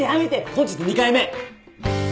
本日２回目！